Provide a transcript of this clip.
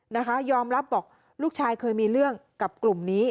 นะคะยอมรับบอกลูกชายเคยมีเรื่องกับกลุ่มนี้